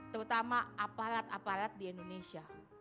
terutama aparat aparat di indonesia